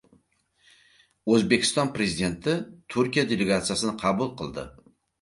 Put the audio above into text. O‘zbekiston Prezidenti Turkiya delegatsiyasini qabul qildi